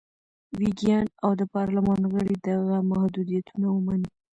ویګیان او د پارلمان غړي دغه محدودیتونه ومني.